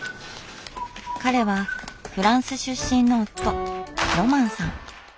彼はフランス出身の夫ロマンさん。